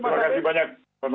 terima kasih banyak